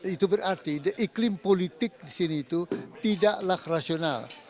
itu berarti iklim politik di sini itu tidaklah rasional